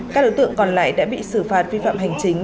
các đối tượng còn lại đã bị xử phạt vi phạm hành chính